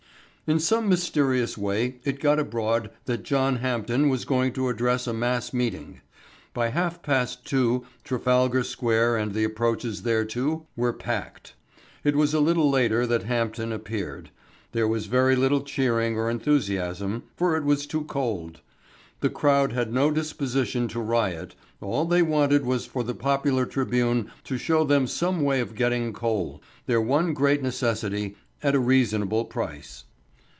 In some mysterious way it got abroad that John Hampden was going to address a mass meeting. By half past two Trafalgar Square and the approaches thereto were packed. It was a little later that Hampden appeared. There was very little cheering or enthusiasm, for it was too cold. The crowd had no disposition to riot, all they wanted was for the popular tribune to show them some way of getting coal their one great necessity at a reasonable price.